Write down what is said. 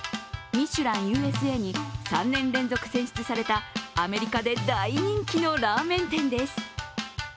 ミシュランＵＳＡに３年連続選出されたアメリカで大人気のラーメン店です。